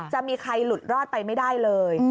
จะมีใครหลุดรอดไปไม่ได้เลย